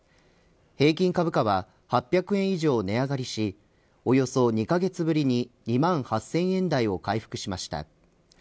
平均株価は８００円以上値上がりしおよそ２カ月ぶりに２万８０００円台を回復しました。